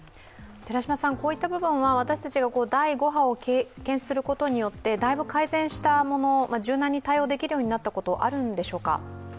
こういった部分は私たちが第５波を経験することによってだいぶ改善したもの、柔軟に対応できるようになったことあるんでしょうか？